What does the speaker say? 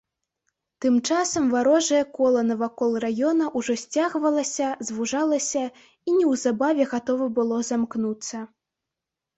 Тым часам варожае кола навакол раёна ўжо сцягвалася, звужалася і неўзабаве гатова было замкнуцца.